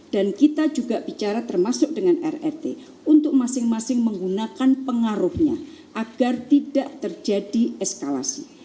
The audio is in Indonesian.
dan kita juga bicara termasuk dengan rrt untuk masing masing menggunakan pengaruhnya agar tidak terjadi eskalasi